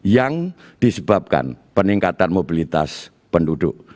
yang disebabkan peningkatan mobilitas penduduk